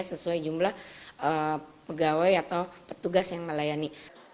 sesuai jumlah pegawai atau petugas yang melayani